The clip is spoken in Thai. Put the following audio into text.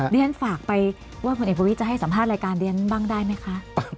เรียนฝากไปว่าผลเอกประวิทย์จะให้สัมภาษณ์รายการเรียนบ้างได้ไหมคะ